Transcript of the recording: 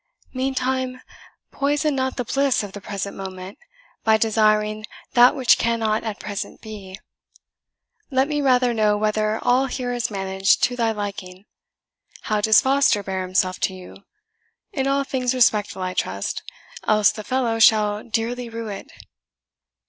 Meantime, poison not the bliss of the present moment, by desiring that which cannot at present be, Let me rather know whether all here is managed to thy liking. How does Foster bear himself to you? in all things respectful, I trust, else the fellow shall dearly rue it."